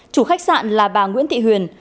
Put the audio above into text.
chủ khách sạn là bà nguyễn thị huyền